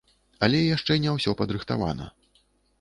Але яшчэ не ўсё падрыхтавана.